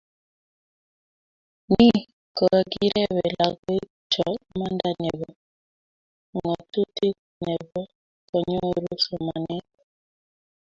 Ni kokakirebe lakoikcho imanda nebo ng'otutik nebo konyoru somanet